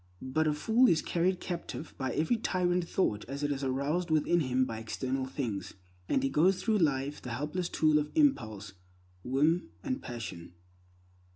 But a fool is carried captive by every tyrant thought as it is aroused within him by external things, and he goes through life the helpless tool of impulse, whim, and passion.